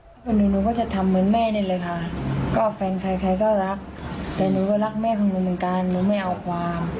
ถ้าเป็นหนูหนูก็จะทำเหมือนแม่นี่เลยค่ะก็แฟนใครใครก็รักแต่หนูก็รักแม่ของหนูเหมือนกันหนูไม่เอาความ